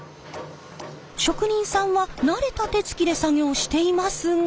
職人さんは慣れた手つきで作業していますが。